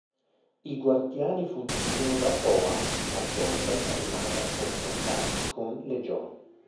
I Guardiani fuggirono da Oa, ma Jordan rimase a confrontarsi con Legion.